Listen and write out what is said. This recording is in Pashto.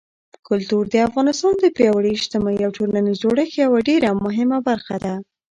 کلتور د افغانستان د پیاوړي اجتماعي او ټولنیز جوړښت یوه ډېره مهمه برخه ده.